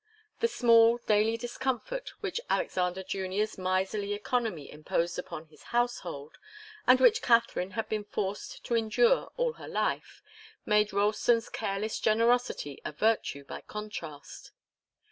The small, daily discomfort which Alexander Junior's miserly economy imposed upon his household, and which Katharine had been forced to endure all her life, made Ralston's careless generosity a virtue by contrast.